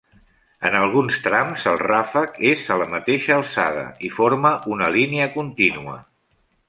En alguns trams el ràfec és a la mateixa alçada i forma una línia contínua.